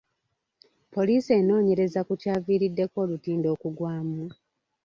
Poliisi enoonyereza ku kyaviiriddeko olutindo okugwamu?